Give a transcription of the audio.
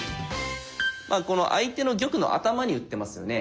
この相手の玉の頭に打ってますよね